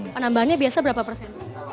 penambahannya biasa berapa persen